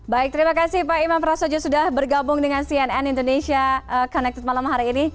baik terima kasih pak imam prasojo sudah bergabung dengan cnn indonesia connected malam hari ini